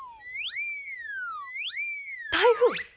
台風？